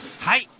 はい。